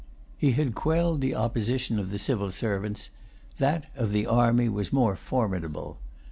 He had quelled the opposition of the civil servants: that of the army was more formidable.